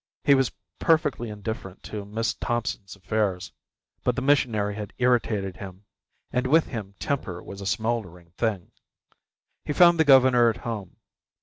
He was perfectly indifferent to Miss Thompson's affairs, but the missionary had irritated him, and with him temper was a smouldering thing. He found the governor at home.